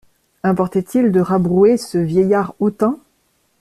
Importait-il de rabrouer ce vieillard hautain?